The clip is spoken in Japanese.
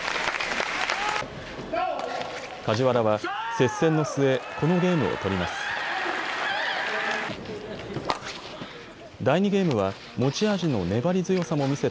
梶原は接戦の末、このゲームを取ります。